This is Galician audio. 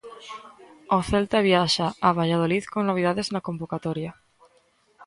O Celta viaxa a Valladolid con novidades na convocatoria.